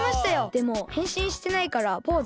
でもへんしんしてないからポーズだけですよ？